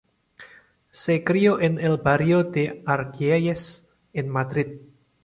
Se crió en el barrio de Argüelles, en Madrid..